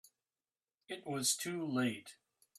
It was too late.